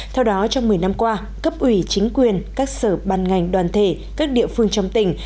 theo đó trong một mươi năm qua cấp ủy chính quyền các sở ban ngành đoàn thể các địa phương trong tỉnh